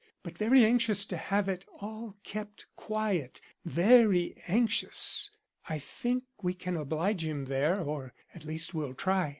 But very anxious to have it all kept quiet; very anxious. I think we can oblige him there, or, at least, we'll try.